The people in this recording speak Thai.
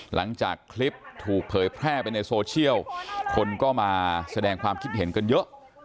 หลังจากคลิปถูกเผยแพร่ไปในโซเชียลคนก็มาแสดงความคิดเห็นกันเยอะ